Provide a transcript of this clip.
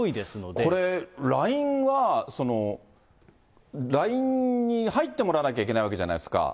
これ、ＬＩＮＥは、ＬＩＮＥに入ってもらわなきゃいけないわけじゃないですか。